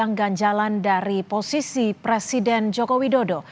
dan di tengah bayang bayang ganjalan dari posisi presiden joko widodo